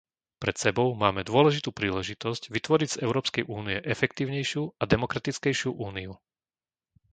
Pred sebou máme dôležitú príležitosť vytvoriť z Európskej únie efektívnejšiu a demokratickejšiu úniu.